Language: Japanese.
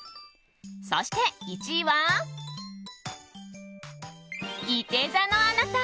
そして１位は、いて座のあなた。